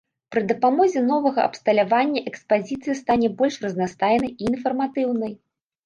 Пры дапамозе новага абсталявання экспазіцыя стане больш разнастайнай і інфарматыўнай.